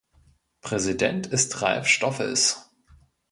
Präsident ist Ralf Stoffels.